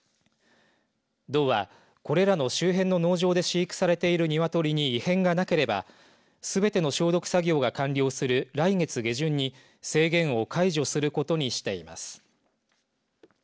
道はこれらの周辺の農場で飼育されている鶏に異変がなければすべての消毒作業が完了する来月下旬に制限を解除することにしています。